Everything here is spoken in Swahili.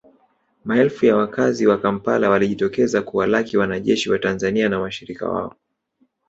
Maelfu ya wakazi wa Kampala walijitokeza kuwalaki wanajeshi wa Tanzania na washirika wao